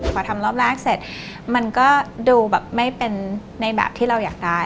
พอทำรอบแรกเสร็จมันก็ดูแบบไม่เป็นในแบบที่เราอยากได้